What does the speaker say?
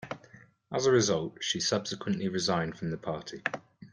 As a result, she subsequently resigned from the party.